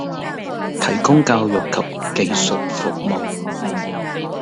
提供教育及技術服務